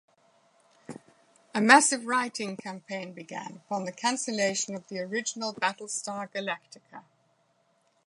A massive write-in campaign began upon the cancellation of the original "Battlestar Galactica".